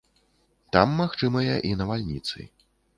Там магчымыя і навальніцы.